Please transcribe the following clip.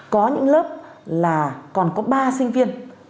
có những lớp là còn có ba sinh viên